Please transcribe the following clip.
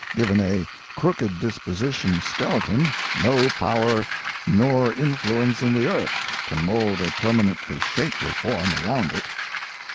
Given a crooked disposition skeleton, no power nor influ ence in the earth can mould a permanently shapely form around it.